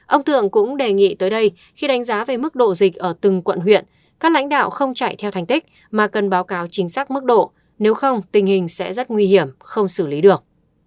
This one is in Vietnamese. ông thượng cũng đề nghị tới đây khi đánh giá về mức độ dịch ở từng quận huyện các lãnh đạo không chạy theo thành tích mà cần báo cáo chính xác mức độ nếu không tình hình sẽ rất nguy hiểm không xử lý được